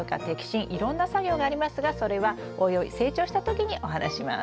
いろんな作業がありますがそれはおいおい成長した時にお話しします。